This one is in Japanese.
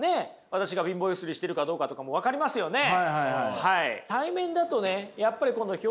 私が貧乏揺すりしてるかどうかとかも分かりますよね。